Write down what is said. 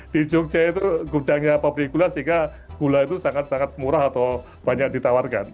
di jogja itu gudangnya pabrik gula sehingga gula itu sangat sangat murah atau banyak ditawarkan